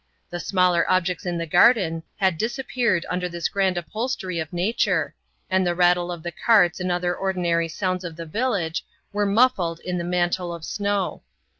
The smaller objects in the garden had disappeared under this grand upholstery of nature, and the rattle of the carts and other ordinary sounds of the village were muffled in the mantle of snow.